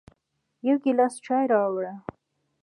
يو ګیلاس چای راوړه